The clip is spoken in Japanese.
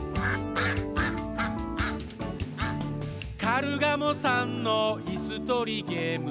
「カルガモさんのいすとりゲーム」